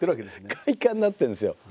快感になってるんですよ。